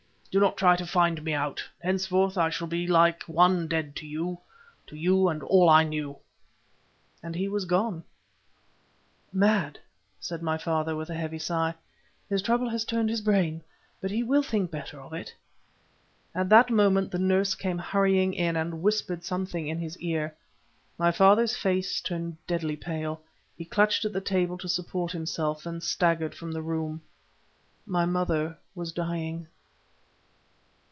Do not try to find me out, henceforth I shall be like one dead to you, to you and all I knew," and he was gone. "Mad," said my father, with a heavy sigh. "His trouble has turned his brain. But he will think better of it." At that moment the nurse came hurrying in and whispered something in his ear. My father's face turned deadly pale. He clutched at the table to support himself, then staggered from the room. My mother was dying!